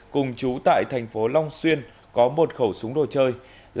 cùng chú tại thành phố long xuyên có một khẩu súng đồ chơi